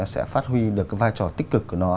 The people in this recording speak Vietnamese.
sẽ phát huy được cái vai trò tích cực của nó